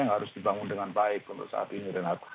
yang harus dibangun dengan baik untuk saat ini renat